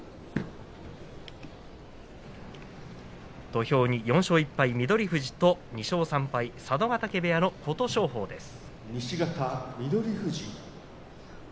土俵に４勝１敗、翠富士と２勝３敗、佐渡ヶ嶽部屋の琴勝峰です。